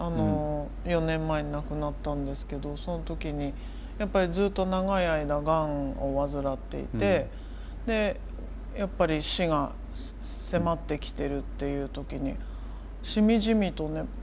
４年前に亡くなったんですけどその時にやっぱりずっと長い間がんを患っていてでやっぱり死が迫ってきてるっていう時にしみじみとね